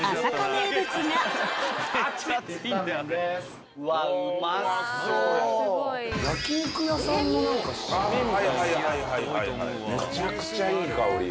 めちゃくちゃいい香り。